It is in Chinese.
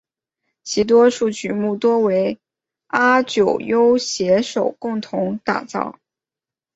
其多数曲目多由阿久悠携手共同打造。